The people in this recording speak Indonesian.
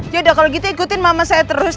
yaudah kalau gitu ikutin mama saya terus